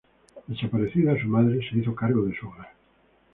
Desaparecida su madre, se hizo cargo de su hogar.